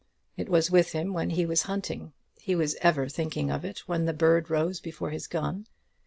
It was with him when he was hunting. He was ever thinking of it when the bird rose before his gun.